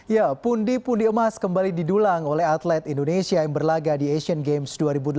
ya pundi pundi emas kembali didulang oleh atlet indonesia yang berlaga di asian games dua ribu delapan belas